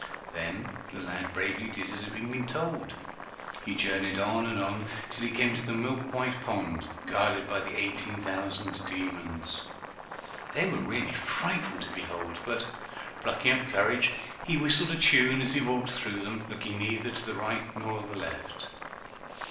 Then the lad bravely did as he had been told. He journeyed on and on till he came to a milk white pond, guarded by the eighteen thousand demons. They were really frightful to behold, but, plucking up courage, he whistled a tune as he walked through them, looking neither to the right nor the left.